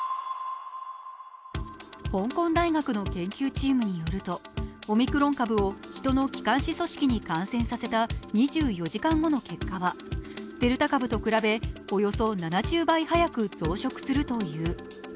香港大学の研究チームによるとオミクロン株を人の気管支組織に感染させた２４時間後の結果はデルタ株と比べおよそ７０倍早く増殖するという。